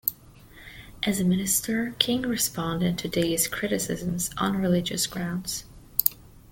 As a minister, King responded to these criticisms on religious grounds.